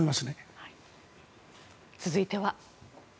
続いては。